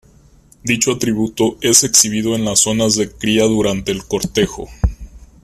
Dicho atributo es exhibido en las zonas de cría durante el cortejo.